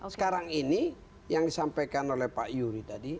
sekarang ini yang disampaikan oleh pak yuri tadi